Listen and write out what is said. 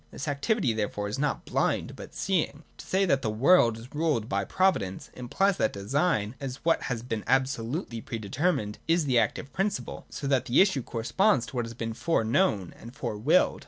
This activity therefore is not blind but seeing. To say that the world is ruled by Pro vidence implies that design, as what has been absolutely pre determined, is the active principle, so that the issue corresponds to what has been fore known and fore willed.